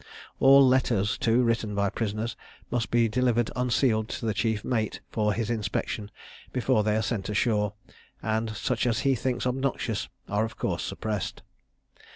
All letters, too, written by prisoners, must be delivered unsealed to the chief mate for his inspection, before they are sent ashore; and such as he thinks obnoxious are of course suppressed.